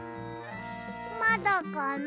まだかな。